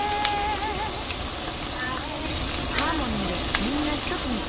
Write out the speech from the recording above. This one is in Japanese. ハーモニーでみんな一つに。